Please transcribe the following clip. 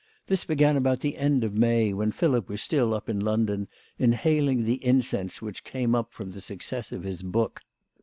This began about the end of May, when Philip was still up in London inhaling the incense which came up from the success of his book.